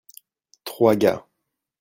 trois gars.